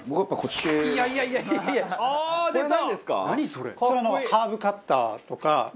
それハーブカッターとか。